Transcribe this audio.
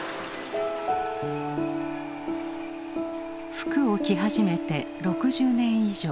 服を着始めて６０年以上。